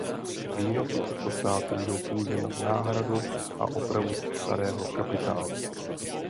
Výnosy těchto státu jdou pouze na náhradu a opravu starého kapitálu.